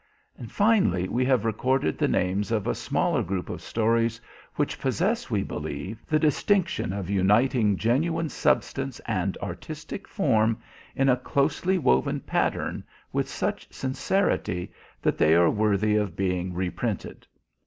Finally we have recorded the names of a smaller group of stories which possess, we believe, the distinction of uniting genuine substance and artistic form in a closely woven pattern with such sincerity that they are worthy of being reprinted.